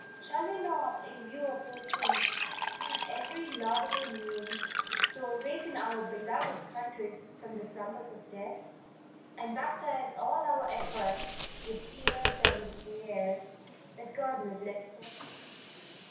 Shall we not in view of those things use every laudable means to awaken our beloved country from the slumbers of death, and baptize all our efforts with tears and with prayers, that God may bless them.